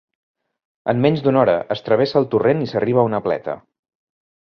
En menys d'una hora, es travessa el torrent i s'arriba a una pleta.